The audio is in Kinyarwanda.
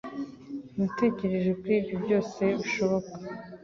Natekereje kuri ibyo byose bishoboka.